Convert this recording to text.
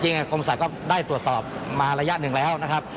กรมศัตวก็ได้ตรวจสอบมาระยะหนึ่งแล้วนะครับ